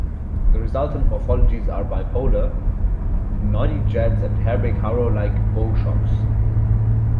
The resultant morphologies are bipolar, knotty jets and Herbig-Haro-like "bow shocks".